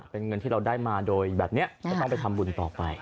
เป็นเงินที่เราได้มาโดยแบบนี้จะต้องไปทำบุญต่อไป